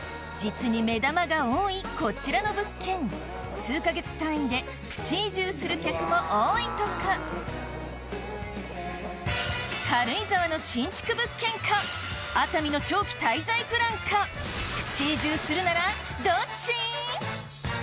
実に目玉が多いこちらの物件数カ月単位でプチ移住する客も多いとか軽井沢の新築物件か熱海の長期滞在プランかプチ移住するならどっち？